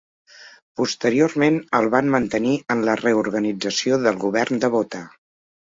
Posteriorment el van mantenir en la reorganització del Govern de Botha.